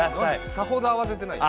さほどあわててないよ。